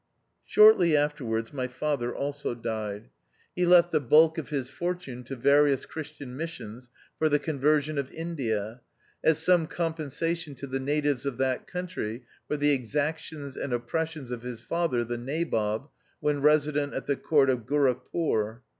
Shortly afterwards my father also died. THE OUTCAST. 253 He left the bulk of his fortune to various Christian missions for the conversion of India, as some conmensation to the natives of that country for the exactions and oppressions of his father, the Nabob, when Eesident at the court of Goruckpore.